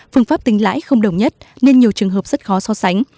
phương pháp tính lãi không đồng nhất nên nhiều trường hợp rất khó so sánh